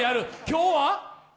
今日は？